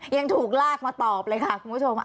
ยังถูกลากมาตอบเลยค่ะคุณผู้ชม